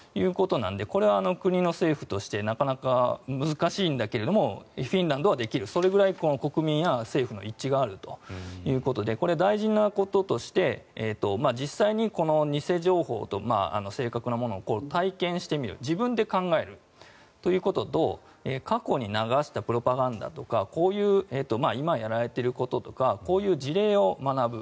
これは国の、政府としてなかなか難しいんだけれどもフィンランドはできるそれくらい国民や政府の一致があるということでこれは大事なこととして実際に偽情報と正確なものを体験してみる自分で考えるということと過去に流したプロパガンダとか今やられていることとかこういう事例を学ぶ。